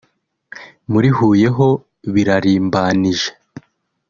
muri Huye ho birarimbanije